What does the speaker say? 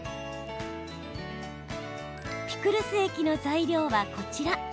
ピクルス液の材料はこちら。